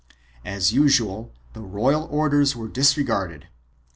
3 As usual the royal orders were disregarded.